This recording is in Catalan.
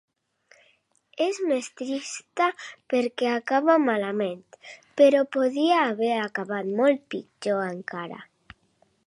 És més trista, perquè acaba malament, però podia haver acabat molt pitjor encara.